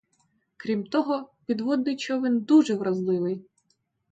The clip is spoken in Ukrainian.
Крім того, підводний човен дуже вразливий.